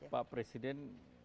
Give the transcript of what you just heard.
jadi pak presiden